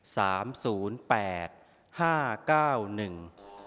สามศูนย์แปดห้าเก้าหนึ่ง